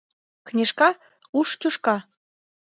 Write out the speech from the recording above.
«Книжка Уш тӱшка